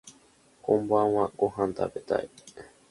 こんばんはご飯食べたい